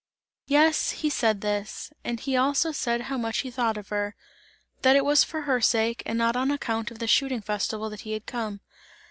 Yes, he said this; and he also said how much he thought of her; that it was for her sake and not on account of the shooting festival that he had come.